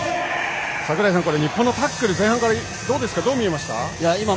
櫻井さん、日本のタックル前半からどう見えました？